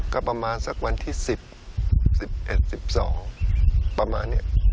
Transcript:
ก็ประมาณสักวันที่๑๑๑๑๒ประมาณนี้